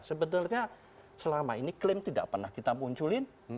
sebenarnya selama ini klaim tidak pernah kita munculin